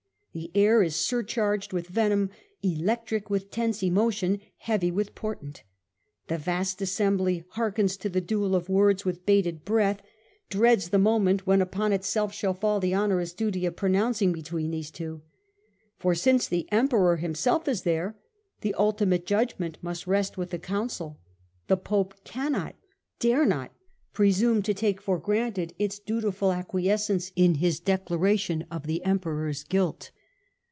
The air is surcharged with venom, electric with tense emotion, heavy with portent. The vast assembly hearkens to the duel of words with bated breath, dreads 230 STUPOR MUNDI the moment when upon itself shall fall the onerous duty of pronouncing between these two. For, since the Emperor himself is there, the ultimate judgment must rest with the Council : the Pope cannot, dare not pre sume to take for granted its dutiful acquiescence in his declaration of the Emperor's guilt.